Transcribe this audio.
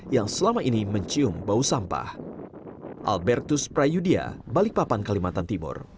yang selama ini mencium bau sampah